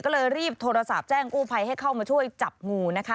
ก็เลยรีบโทรศัพท์แจ้งกู้ภัยให้เข้ามาช่วยจับงูนะคะ